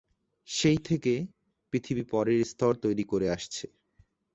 সেই থেকে, পৃথিবী পরের স্তর তৈরি করে আসছে।